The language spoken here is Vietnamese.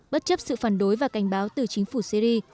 bất chấp sự phản đối và cảnh báo từ chính phủ syri